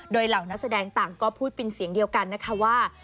โดยเหล่านักแสดงต่างก็พูดเป็นเสียงเดียวกันนะคะว่า